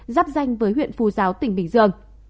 giáp danh với huyện phù giáo tỉnh bình dương